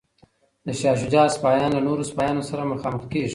د شاه شجاع سپایان له نورو سپایانو سره مخامخ کیږي.